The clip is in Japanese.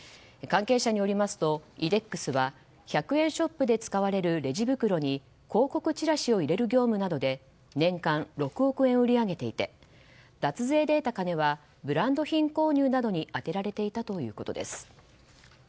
関係者によりますとイデックスは１００円ショップで使われるレジ袋に広告チラシを入れる業務などで年間６億円を売り上げていて脱税で得た金はブランド品購入などに充てられていたということです。